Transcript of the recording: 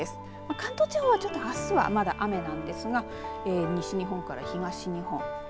関東地方は、ちょっとあすはまだ雨なんですが西日本から東日本